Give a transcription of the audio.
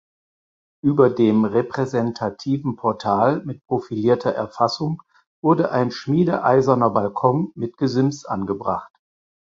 Über dem repräsentativen Portal mit profilierter Einfassung wurde ein schmiedeeiserner Balkon mit Gesims angebracht.